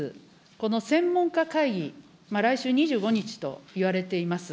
この専門家会議、来週２５日といわれています。